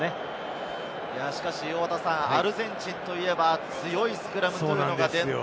アルゼンチンといえば強いスクラムというのが伝統。